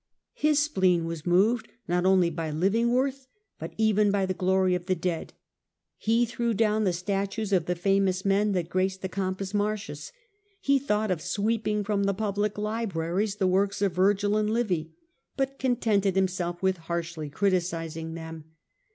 His spleen was moved not only by living worth but even by fhe glory of the dead. He threw down the cv^l?the* statues of the famous men that graced the Campus Martius. He thought of sweeping from the pub lic libraries the works of Vergil and Livy, but contented himself with harshly criticising them.